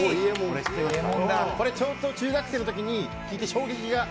これちょうど中学生のときに聴いて衝撃が走った。